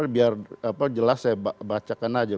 biar jelas saya bacakan aja